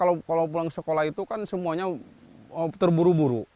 kalau pulang sekolah itu kan semuanya terburu buru